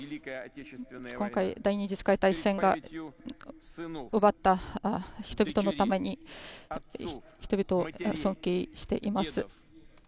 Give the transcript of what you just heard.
今回第二次世界大戦が奪った人々のために、人々を尊敬しています。